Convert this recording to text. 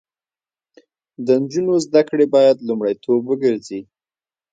د نجونو زده کړې باید لومړیتوب وګرځي.